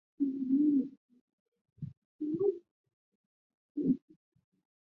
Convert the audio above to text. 天气大致来说还是比较舒适的。